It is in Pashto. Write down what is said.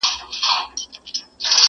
په زګېروي لېوه ورږغ کړله چي وروره،